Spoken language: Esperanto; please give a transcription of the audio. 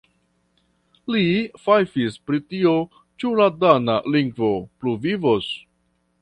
Li fajfis pri tio ĉu la dana lingvo pluvivos.